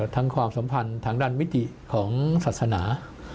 ความสัมพันธ์ทางด้านมิติของศาสนา